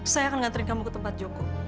saya akan ngantarin kamu ke tempat joko